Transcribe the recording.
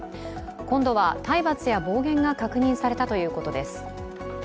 今度は体罰や暴言が確認されたということです。